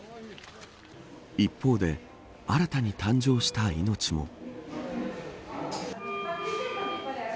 一方で、新たに誕生した命も。